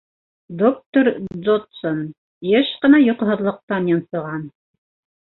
Доктор Доджсон йыш ҡына йоҡоһоҙлоҡтан йонсоған.